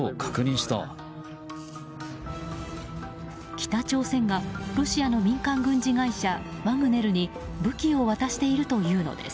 北朝鮮がロシアの民間軍事会社ワグネルに武器を渡しているというのです。